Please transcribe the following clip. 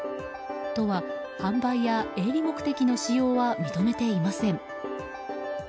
都は、販売や営利目的の使用は認めていません。